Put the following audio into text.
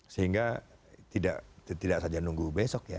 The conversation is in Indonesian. sehingga tidak saja nunggu besok ya